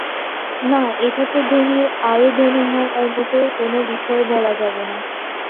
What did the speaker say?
না এটাকে ধনীর আরও ধনী হওয়ার মতো কোনো বিষয় বলা যাবে না।